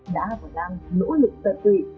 đã và đang nỗ lực tận tụy